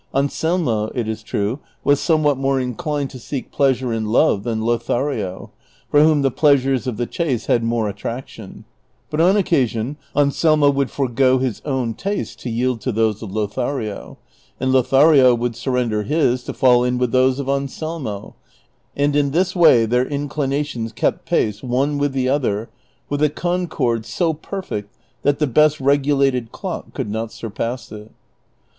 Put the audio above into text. An selmo, it is true, was somewliat more inclined to seek pleasure in love than Lothario, tor whom the pleasures of the chase had more attraction ; but on occasion Anselmo would forego his own tastes to yield to those of Lothario, and Lothario would surrender his to fall in with those of Anselmo, and in this way their inclinations kept pace one with the other with a concord so perfect that the best regu lated clock could not surpass it.